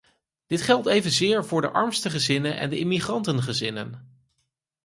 Dit geldt evenzeer voor de armste gezinnen en de immigrantengezinnen.